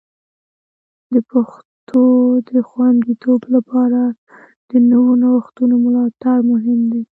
د پښتو د خوندیتوب لپاره د نوو نوښتونو ملاتړ مهم دی.